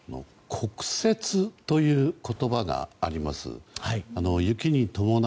克雪という言葉があります。